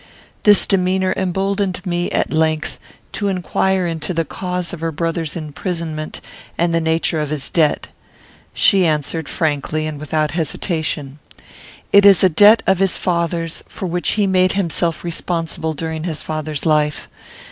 This demeanour emboldened me, at length, to inquire into the cause of her brother's imprisonment, and the nature of his debt. She answered frankly and without hesitation: "It is a debt of his father's, for which he made himself responsible during his father's life.